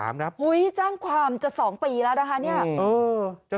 ไม้ใจล้มความจะสองปีแล้วนะคะนี่